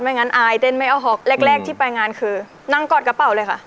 งั้นอายเต้นไม่เอาฮอกแรกที่ไปงานคือนั่งกอดกระเป๋าเลยค่ะ